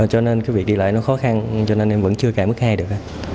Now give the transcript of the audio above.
cho nên cái việc đi lại nó khó khăn cho nên em vẫn chưa cài mức hai được